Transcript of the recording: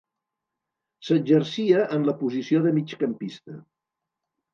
S'exercia en la posició de migcampista.